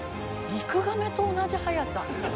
リクガメと同じ速さ。